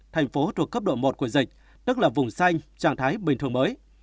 thành phố thuộc cấp độ một của dịch tức là vùng xanh trạng thái bình thường mới